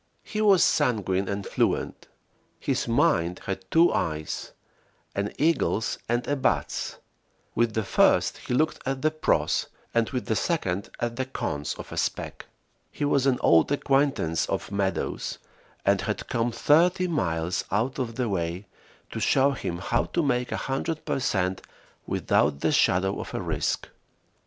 He was sanguine and fluent. His mind had two eyes, an eagle's and a bat's; with the first he looked at the "pros," and with the second at the "cons" of a spec. He was an old acquaintance of Meadows, and had come thirty miles out of the way to show him how to make 100 per cent without the shadow of a risk.